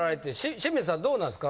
清水さんどうなんですか？